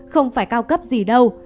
không phải cao cấp gì đâu